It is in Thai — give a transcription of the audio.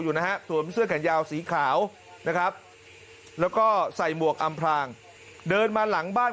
อยู่นะฮะสวมเสื้อแขนยาวสีขาวนะครับแล้วก็ใส่หมวกอำพลางเดินมาหลังบ้าน